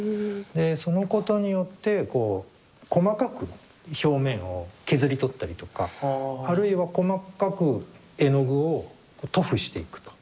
そのことによってこう細かく表面を削り取ったりとかあるいは細かく絵の具を塗布していくと。